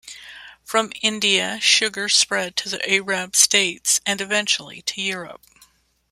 From India, sugar spread to the Arab states and eventually to Europe.